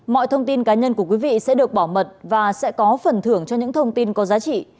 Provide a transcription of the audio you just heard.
mọi thông tin cá nhân của quý vị sẽ được bảo mật và sẽ có phần thưởng cho những thông tin có giá trị